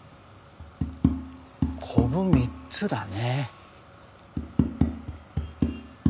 こぶ３つだね。